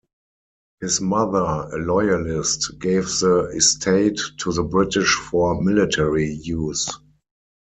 His mother, a loyalist, gave the estate to the British for military use.